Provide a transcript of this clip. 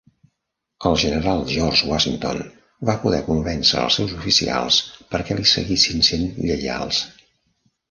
El general George Washington va poder convèncer els seus oficials perquè li seguissin sent lleials.